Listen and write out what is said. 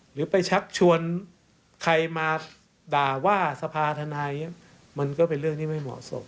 หรือไปชักชวนใครมาด่าว่าสภาธนายอย่างนี้มันก็เป็นเรื่องที่ไม่เหมาะสม